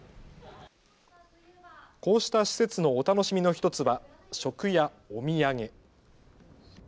こうした施設のお楽しみの１つは食やお土産。